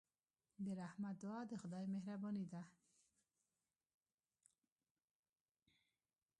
د رحمت دعا د خدای مهرباني ده.